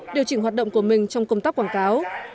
điều chỉnh hoạt động của mình trong công tác quảng cáo